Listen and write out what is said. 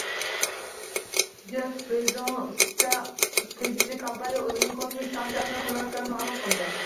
Jeff Bezosga tegishli kompaniya o‘zining kosmik stansiyasini qurayotganini ma’lum qildi